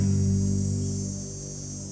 kuda kuda yang menjauhkan dirinya